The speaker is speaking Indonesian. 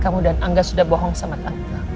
kamu dan angga sudah bohong sama tante